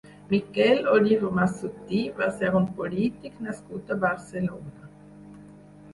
Miquel Oliver Massutí va ser un polític nascut a Barcelona.